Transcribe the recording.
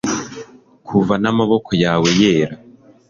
Kuva n'amaboko yawe yera,